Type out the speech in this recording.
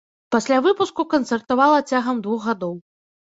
Пасля выпуску канцэртавала цягам двух гадоў.